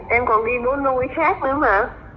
em còn đi bố nuôi khác nữa mà